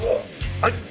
はい！